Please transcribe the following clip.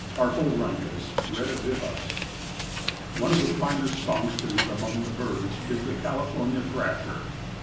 (Harporhynchus redivivus.) One of the finest songsters among birds is the California Thrasher.